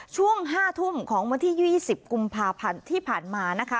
ช่วง๕ทุ่มของวันที่๒๐กุมภาพันธ์ที่ผ่านมานะคะ